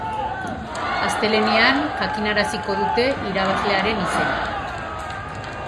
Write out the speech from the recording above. Astelehenean jakinaraziko dute irabazlearen izena.